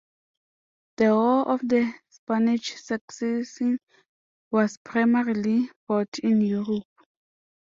The War of the Spanish Succession was primarily fought in Europe.